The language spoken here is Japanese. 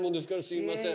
すみません。